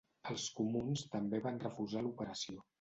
Els comuns també van refusar l’operació.